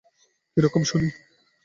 কী রকম, শুনি।